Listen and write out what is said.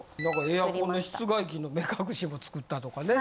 エアコンの室外機の目隠しも作ったとかね。